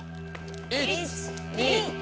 １・２。